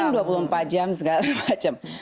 mungkin dua puluh empat jam segala macam